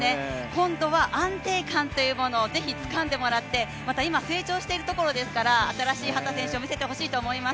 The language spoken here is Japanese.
今度は安定感というものをぜひつかんでもらって、また今、成長しているところですから新しい秦選手を見せてほしいと思います。